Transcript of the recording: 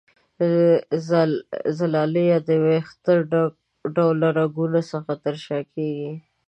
زلالیه د وېښته ډوله رګونو څخه ترشح کیږي.